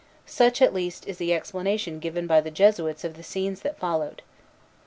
Such, at least, is the explanation given by the Jesuits of the scenes that followed.